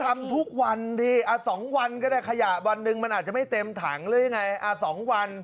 ก็ทำทุกวันดิอ่าสองวันก็ได้ขยะวันหนึ่งมันอาจจะไม่เต็มถังเลยไงอ่าสองวัน